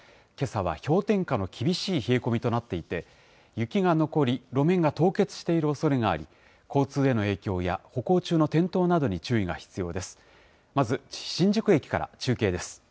けさは氷点下の厳しい冷え込みとなっていて、雪が残り、路面が凍結しているおそれがあり、交通への影響や、歩行中の転倒などに注意が必要です。